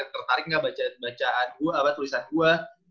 tertarik gak bacaan gue apa tulisan gue